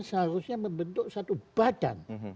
seharusnya membentuk satu badan